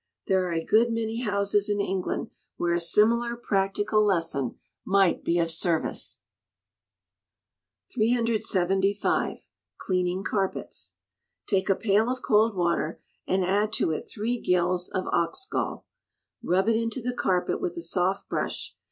There are a good many houses in England where a similar practical lesson might be of service. 375. Cleaning Carpets. Take a pail of cold water, and add to it three gills of ox gall. Rub it into the carpet with a soft brush.